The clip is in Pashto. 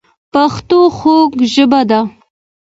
پښتو خوږه ژبه ده